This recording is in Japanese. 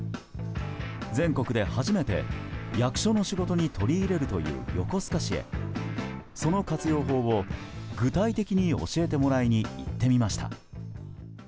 全国で初めて役所の仕事に取り入れるという横須賀市へその活用法を具体的に教えてもらいに行ってみました。